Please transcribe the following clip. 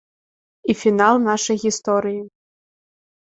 І фінал нашай гісторыі.